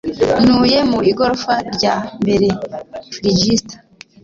Ntuye mu igorofa rya mbere fliegster